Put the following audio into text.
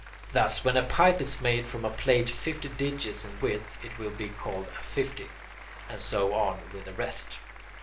Thus, when a pipe is made from a plate fifty digits in width, it will be called a "fifty," and so on with the rest.